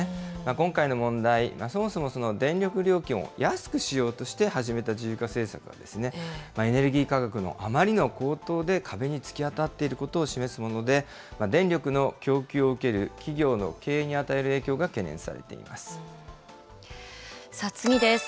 今回の問題、そもそも電力料金を安くしようとして始めた自由化政策が、エネルギー価格のあまりの高騰で壁に突き当たっていることを示すもので、電力の供給を受ける企業の経営に与える影響が懸念されて次です。